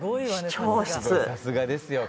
さすがですよ。